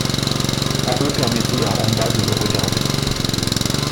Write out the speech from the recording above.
En haut permettait à En bas de le regarder.